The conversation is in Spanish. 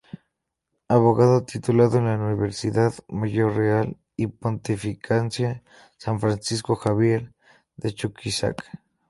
Abogado titulado en la Universidad Mayor Real y Pontificia San Francisco Xavier de Chuquisaca.